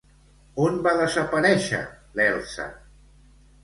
On va desaparèixer l'Elsa?